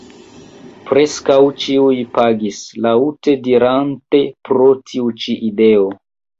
Preskaŭ ĉiuj pagis, laŭte ridante pro tiu ĉi ideo.